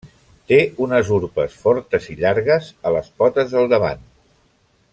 Té unes urpes fortes i llargues a les potes del davant.